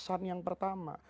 pesan yang pertama